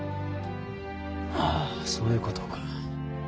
ああそういうことか。